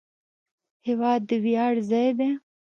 هېواد د ویاړ ځای دی.